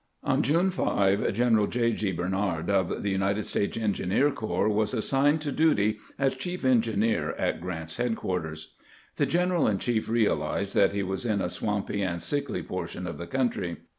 On June 5, General J. G. Barnard, of the United States engineer corps, was assigned to duty as chief engineer at Grant's headquarters. The general in chief realized that he was in a swampy and sickly portion of the covmtry.